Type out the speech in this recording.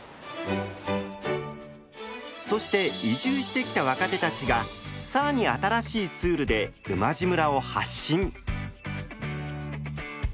そして移住してきた若手たちが更に新しいツールで馬路村を発信。